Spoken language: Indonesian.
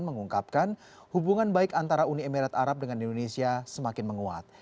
mengungkapkan hubungan baik antara uni emirat arab dengan indonesia semakin menguat